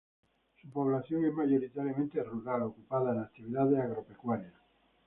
Su población es mayoritariamente rural, ocupada en actividades agropecuarias.